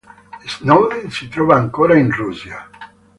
Snowden si trova ancora in Russia.